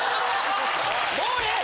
もうええ！